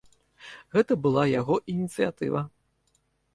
Гэта была яго ініцыятыва.